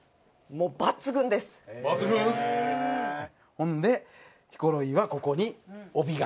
ほんでヒコロヒーはここに帯が。